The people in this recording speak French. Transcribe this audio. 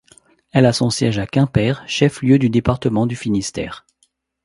Elle a son siège à Quimper, chef-lieu du département du Finistère.